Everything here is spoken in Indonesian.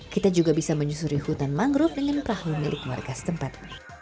kita juga bisa menyusuri hutan mangrove dengan perahu milik warga setempat